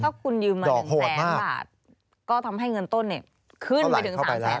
ถ้าคุณยืมมา๑๐๐บาทก็ทำให้เงินต้นขึ้นไปถึง๓๐๐บาทแล้ว